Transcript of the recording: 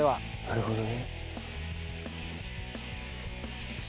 なるほどね。